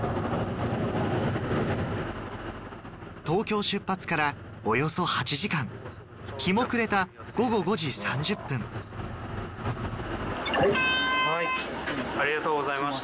東京出発からおよそ８時間日も暮れた午後５時３０分はい。